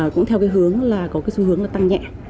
cũng theo cái hướng là có cái xu hướng là tăng nhẹ